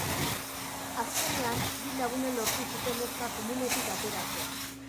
Azkenean, bi lagunek lortu zuten neska komunetik ateratzea.